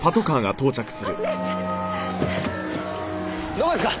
どこですか？